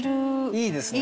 いいですね。